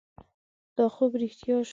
دا خوب رښتیا شو.